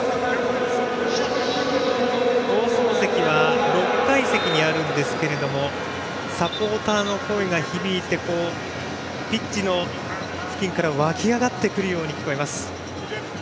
放送席は、６階席にあるんですがサポーターの声が響いてピッチの付近から湧き上がってくるように聞こえます。